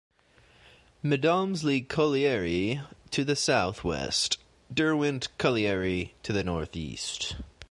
Medomsley Colliery to the south west; Derwent Colliery to the north east.